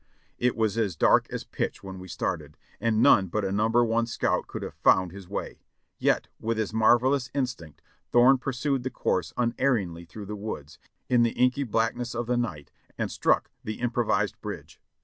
ON A HORSE RAID 615 It was as dark as pitch when we started, and none but a number one scout could have found his way; yet with his marvelous in stinct Thorne pursued the course unerringly through the woods, in the inky blackness of the night, and struck the improvised bridge.